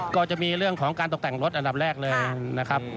ก็จะมีเรื่องของการตกแต่งรถอันดับแรกเลยนะครับ